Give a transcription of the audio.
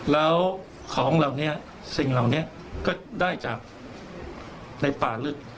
แล้วของเหล่านี้สิ่งเหล่านี้ก็ได้จากในป่าลึก